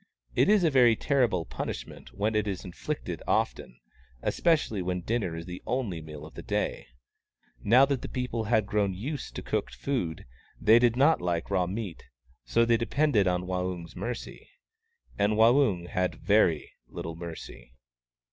It is a very terrible punishment when it is inflicted often, especially when dinner is the only meal of the day. Now that the people had grown used to cooked food, they did not like raw meat ; so they depended on Waung's mercy. And Waung had very little mercy.